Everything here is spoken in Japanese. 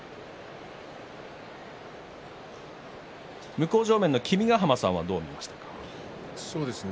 向正面の君ヶ濱さんはどう見ましたか。